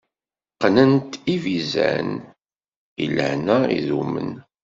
Qqnent lbizan, i lehna idumen.